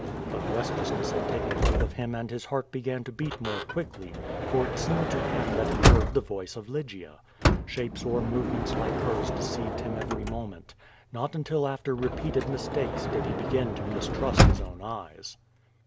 But restlessness had taken hold of him and his heart began to beat more quickly, for it seemed to him that he hoard the voice of Lygia. Shapes or movements like hers de ceived him every moment. Not until after repeated mistakes did he begin to mistrust his own eyes.